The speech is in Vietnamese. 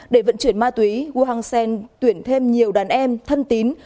để vận chuyển ma túy gu hangsheng tuyển thêm nhiều đàn em thân tín